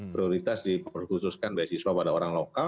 prioritas diperkhususkan bahas iswa pada orang lokal